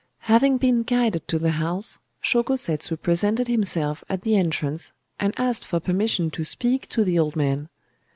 "Having been guided to the house, Shōko Setsu presented himself at the entrance, and asked for permission to speak to the old man.